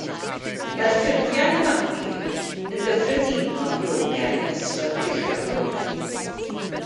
Mae'r ffurfiau anadlu yn gyffredinol ddiogel yn ystod beichiogrwydd.